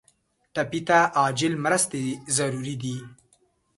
ټپي ته عاجل مرستې ضروري دي.